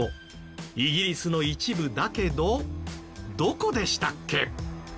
イギリスの一部だけどどこでしたっけ？